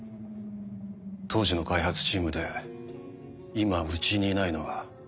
当時の開発チームで今うちにいないのは。